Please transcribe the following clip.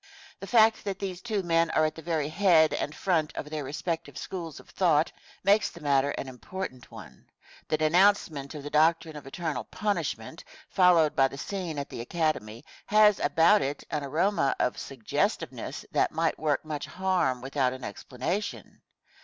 The fact that these two men are the very head and front of their respective schools of thought makes the matter an important one. The denouncement of the doctrine of eternal punishment, followed by the scene at the Academy, has about it an aroma of suggestiveness that might work much harm without an explanation.